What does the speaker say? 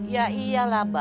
ya iyalah pak